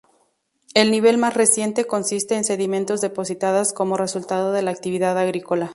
El nivel más reciente consiste en sedimentos depositados como resultado de la actividad agrícola.